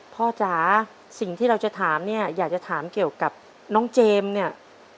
จ๋าสิ่งที่เราจะถามเนี่ยอยากจะถามเกี่ยวกับน้องเจมส์เนี่ย